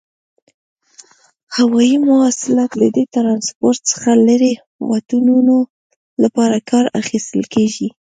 هوایي مواصلات له دې ترانسپورت څخه لري واټنونو لپاره کار اخیستل کیږي.